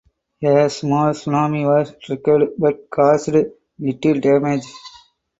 A small tsunami was triggered but caused little damage.